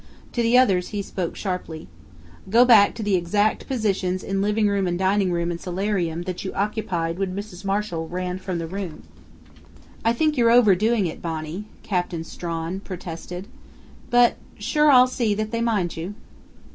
To the others he spoke sharply: "Go back to the exact positions in living room and dining room and solarium, that you occupied when Mrs. Marshall ran from the room." "I think you're overdoing it, Bonnie," Captain Strawn protested. "But sure I'll see that they mind you."